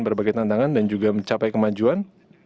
berbagai tantangan dan juga mencapai kemajuan